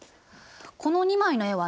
この２枚の絵はね